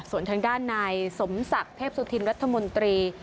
ส่วนทางด้านนายสมศักดิ์เทพสุธินรัฐมนตรี